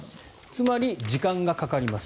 つまり時間がかかります。